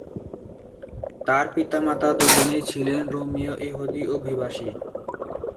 তার পিতামাতা দুজনেই ছিলেন রোমানীয় ইহুদি অভিবাসী।